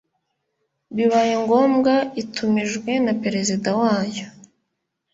bibaye ngombwa itumijwe na perezida wayo